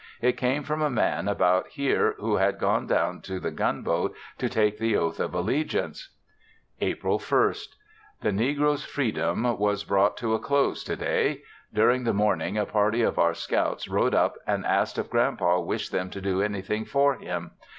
It came from a man about here who had gone down to the Gunboat to take the oath of allegiance. April 1st. The negroes' freedom was brought to a close to day. During the morning a party of our scouts rode up and asked if Grand Pa wished them to do anything for him.